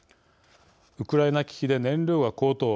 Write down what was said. ウクライナ危機で燃料が高騰